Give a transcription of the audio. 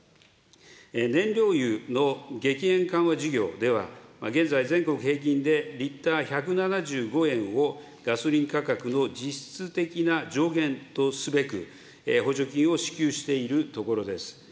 燃料油の激変緩和事業では現在、全国平均でリッター１７５円をガソリン価格の実質的な上限とすべく、補助金を支給しているところです。